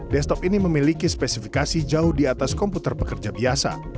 desktop ini memiliki spesifikasi jauh di atas komputer pekerja biasa